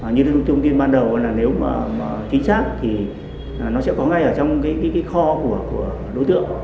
như thông tin ban đầu là nếu mà chính xác thì nó sẽ có ngay ở trong cái kho của đối tượng